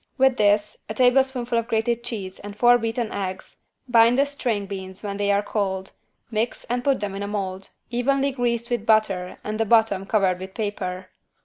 With this, a tablespoonful of grated cheese and four beaten eggs bind the string beans when they are cold, mix and put in a mold, evenly greased with butter and the bottom covered with paper.